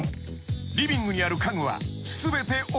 ［リビングにある家具は］